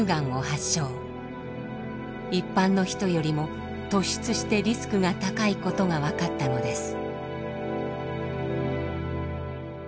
一般の人よりも突出してリスクが高いことが分かったのです。